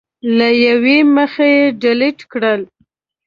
له یوې مخې ډیلېټ کړل